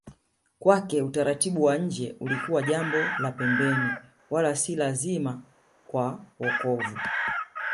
Kwake utaratibu wa nje ulikuwa jambo la pembeni wala si lazima kwa wokovu